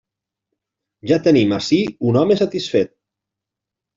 Ja tenim ací un home satisfet.